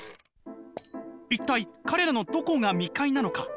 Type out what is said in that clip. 「一体彼らのどこが未開なのか？